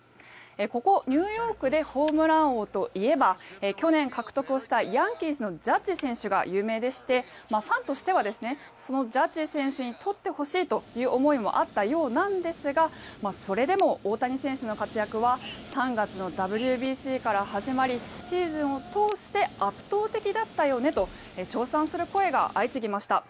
ここ、ニューヨークでホームラン王といえば去年獲得した、ヤンキースのジャッジ選手が有名でしてファンとしてはそのジャッジ選手に取ってほしいという思いもあったようなんですがそれでも大谷選手の活躍は３月のＷＢＣから始まりシーズンを通して圧倒的だったよねと称賛する声が相次ぎました。